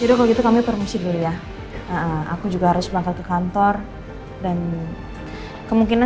jadi kalau gitu kami permisi dulu ya aku juga harus bangkit ke kantor dan kemungkinan